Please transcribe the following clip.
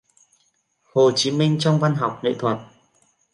Hồ Chí Minh trong văn học, nghệ thuật